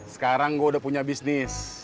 sekarang gue udah punya bisnis